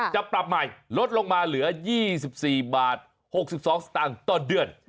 จะปรับใหม่ลดลงมาเหลือ๒๔บาท๖๒สตางค์ต่อเดือน